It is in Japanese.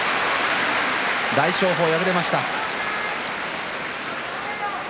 大翔鵬、破れました。